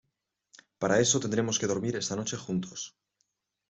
para eso tendremos que dormir esta noche juntos.